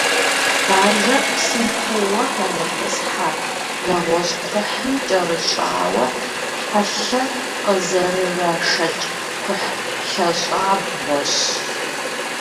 Баржэр, псым куууэ хэмытӏысхьэ, нэгъуэщӏ кхъухьым кӏэрыщӏауэ, хьэлъэ къызэрырашэкӏ кхъухь лъащӏабгъуэщ.